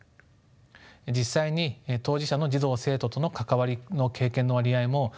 実際に当事者の児童・生徒との関わりの経験の割合も圧倒的に高くですね